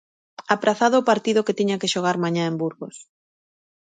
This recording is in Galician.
Aprazado o partido que tiña que xogar mañá en Burgos.